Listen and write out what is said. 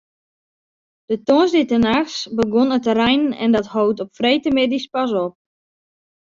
De tongersdeitenachts begûn it te reinen en dat hold op freedtemiddei pas op.